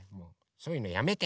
そういうのやめて。